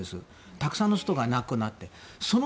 たくさんの人が亡くなって。